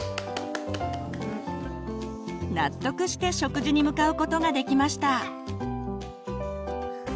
納得して食事に向かうことができました。